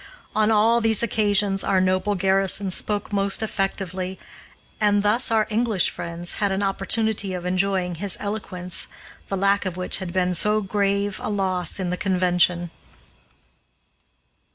On all these occasions our noble Garrison spoke most effectively, and thus our English friends had an opportunity of enjoying his eloquence, the lack of which had been so grave a loss in the convention.